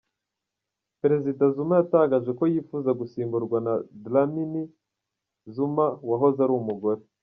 Perezida Zuma yatangaje ko yifuza gusimburwa na Dlamini Zuma wahoze ari umugore.